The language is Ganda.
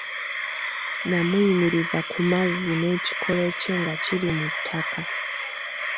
N'amuyimiriza mu mazzi n'ekikolo kye nga kiri mu ttaka.